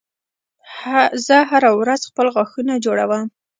زه هره ورځ خپل غاښونه جوړوم